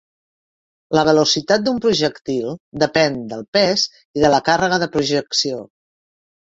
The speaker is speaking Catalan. La velocitat d'un projectil depèn del pes i de la càrrega de projecció.